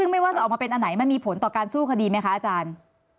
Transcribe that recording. ซึ่งไม่ว่าจะออกมาเป็นอันไหนมันมีผลต่อการสู้คดีไหมคะอาจารย์